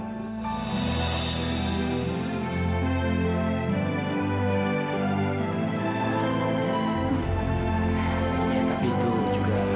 tapi itu juga